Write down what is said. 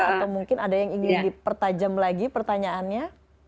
atau mungkin ada yang ingin dipertajam lagi pertanyaannya